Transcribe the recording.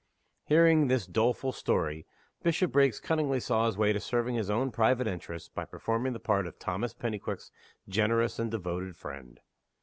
Hearing this doleful story, Bishopriggs cunningly saw his way to serving his own private interests by performing the part of Thomas Pennyquick's generous and devoted friend.